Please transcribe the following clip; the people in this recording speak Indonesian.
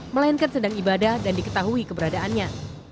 melainkan sedang ibadah dan diketahui keberadaannya